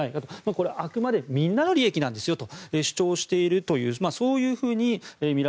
これはあくまでもみんなの利益なんですよと主張しているわけです。